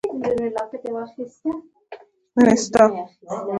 ترموز د شکر خوړلو یاد دی.